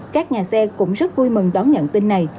các nhà xe cũng rất vui mừng đón nhận tin này